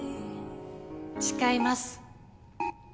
誓います。